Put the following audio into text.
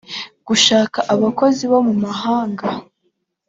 gushaka abakozi bo mu mahanga